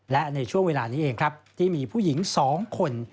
และในช่วงเวลานี้เองครับที่มีผู้หญิง๒คน